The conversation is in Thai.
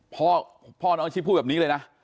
พ่อน้องอาชีพพูดแบบนี้เลยนะ